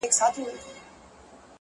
حمزه وايي چې مینه یې ورسره شته